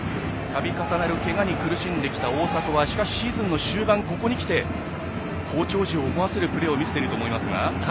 度重なるけがに苦しんできた大迫はしかし、シーズンの終盤ここに来て好調時を思わせるプレーを見せていると思いますが。